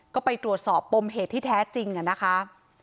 ก็ไปตรวจสอบปมเหตุที่แท้จริงนะคะ